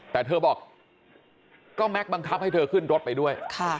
แต่เธอบอกก็แม็กซบังคับให้เธอขึ้นรถไปด้วย